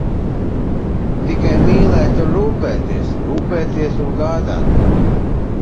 Tikai mīlēt un rūpēties, rūpēties un gādāt.